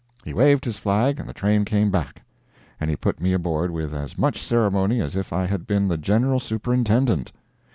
He waved his flag, and the train came back! And he put me aboard with as much ceremony as if I had been the General Superintendent.